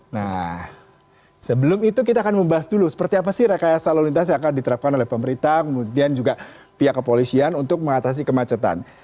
nah sebelum itu kita akan membahas dulu seperti apa sih rekayasa lalu lintas yang akan diterapkan oleh pemerintah kemudian juga pihak kepolisian untuk mengatasi kemacetan